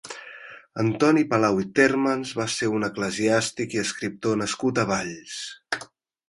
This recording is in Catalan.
Antoni Palau i Térmens va ser un eclesiàstic i escriptor nascut a Valls.